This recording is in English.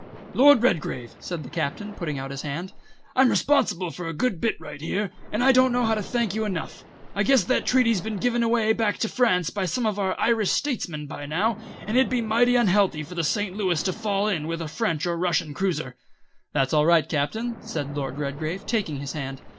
"Lord Redgrave," said the Captain, putting out his hand, "I'm responsible for a good bit right here, and I don't know how to thank you enough. I guess that treaty's been given away back to France by some of our Irish statesmen by now, and it'd be mighty unhealthy for the St. Louis to fall in with a French or Russian cruiser " "That's all right, Captain," said Lord Redgrave, taking his hand.